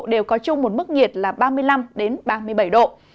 đều có chung một mức nhiệt là ba mươi năm ba mươi bảy độ